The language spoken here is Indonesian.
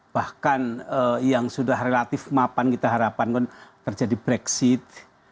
bahkan yang sudah relatif mapan kita harapkan kan terjadi brexit